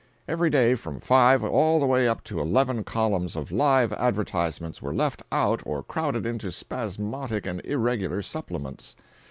Every day from five all the way up to eleven columns of "live" advertisements were left out or crowded into spasmodic and irregular "supplements."